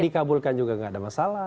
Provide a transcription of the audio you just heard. dikabulkan juga tidak ada masalah